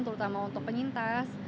terutama untuk penyintas